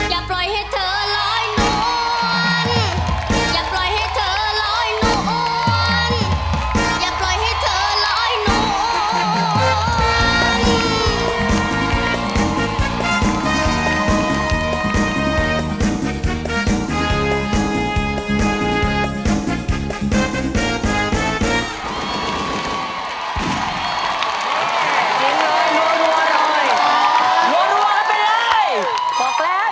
อย่าปล่อยให้เธอร้อยหน่วย